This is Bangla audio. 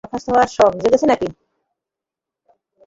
বরখাস্ত হওয়ার শখ জেগেছে নাকি?